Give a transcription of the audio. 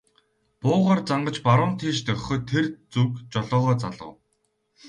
Буугаар зангаж баруун тийш дохиход тэр зүг жолоогоо залав.